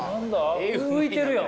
浮いてるやん！